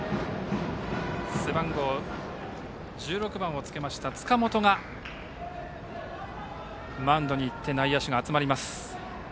背番号１６番をつけた塚本がマウンドに行って内野手が集まります。